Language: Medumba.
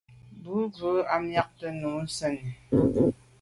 Bo ghù à miagte nu sènni.